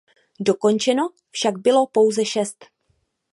Dokončeno však bylo pouze šest.